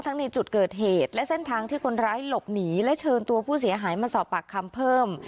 ในจุดเกิดเหตุและเส้นทางที่คนร้ายหลบหนีและเชิญตัวผู้เสียหายมาสอบปากคำเพิ่ม